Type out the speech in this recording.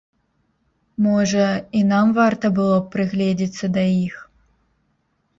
Можа, і нам варта было б прыгледзіцца да іх?